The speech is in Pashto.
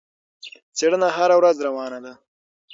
څېړنه هره ورځ روانه ده.